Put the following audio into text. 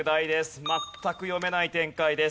全く読めない展開です。